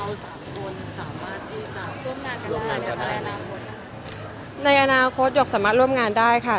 ร่วมงานกันได้ในอนาคตในอนาคตหยกสามารถร่วมงานได้ค่ะ